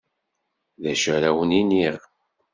D acu ara wen-iniɣ?